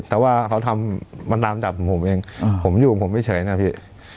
แต่ว่าเขาทำมันตามจับผมผมเองอ่าผมอยู่กับผมไม่เฉยน่ะพี่